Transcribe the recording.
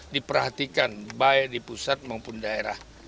diperhatikan baik di pusat maupun daerah